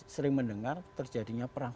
sering mendengar terjadinya perang